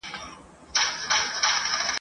د بېلتون سندري وایم د جانان کیسه کومه !.